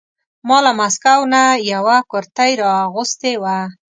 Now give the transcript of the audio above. ما له مسکو نه یوه کرتۍ را اغوستې وه.